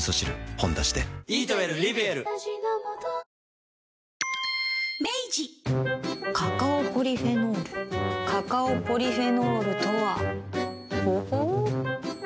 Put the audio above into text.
「ほんだし」でカカオポリフェノールカカオポリフェノールとはほほう。